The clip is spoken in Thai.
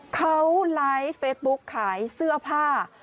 เขาไลฟ์เฟซบุ๊กขายเสื้อผ้า